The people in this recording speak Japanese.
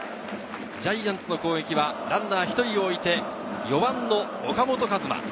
ジャイアンツの攻撃はランナー１人を置いて、４番の岡本和真。